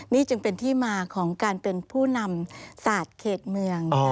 นี่จึงเป็นที่มาของการเป็นผู้นำศาสตร์เขตเมือง